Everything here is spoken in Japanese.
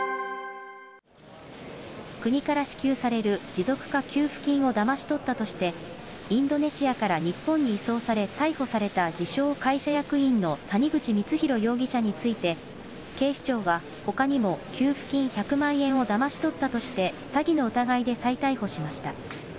国から支給される持続化給付金をだまし取ったとして、インドネシアから日本に移送され逮捕された自称会社役員の谷口光弘容疑者について、警視庁はほかにも給付金１００万円をだまし取ったとして詐欺の疑いで再逮捕しました。